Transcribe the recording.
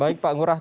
baik pak ngurah